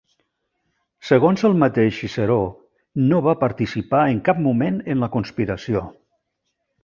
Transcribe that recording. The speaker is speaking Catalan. Segons el mateix Ciceró no va participar en cap moment en la conspiració.